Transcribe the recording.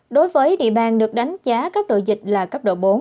đối với địa bàn được đánh giá cấp độ dịch là cấp độ bốn